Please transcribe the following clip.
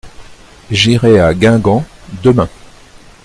J’irai à Guingamp demain.